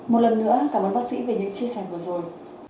một lần nữa cảm ơn bác sĩ về những chia sẻ vừa rồi